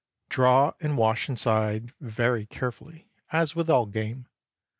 Draw and wash the inside very carefully, as with all game.